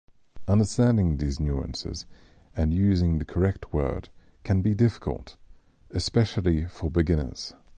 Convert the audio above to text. Understanding these nuances and using the correct word can be difficult, especially for beginners.